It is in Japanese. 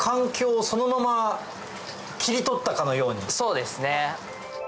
そうですね。